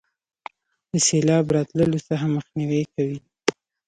د سیلاب راتللو څخه مخنیوي کوي.